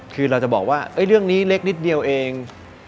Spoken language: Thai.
คือเราจะบอกว่าเรื่องนี้เล็กนิดเดียวเอง